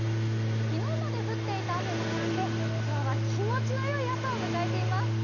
昨日まで降っていた雨もやんで今日は気持ちのよい朝を迎えています。